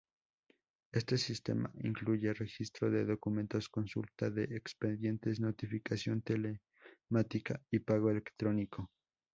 Este sistema incluye registro de documentos, consulta de expedientes, notificación telemática y pago electrónico.